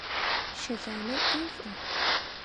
Щэламэр ӏэшӏуа?